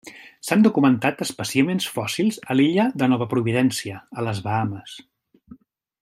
S'han documentat espècimens fòssils a l'illa de Nova Providència, a les Bahames.